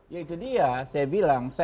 ya itu dia saya bilang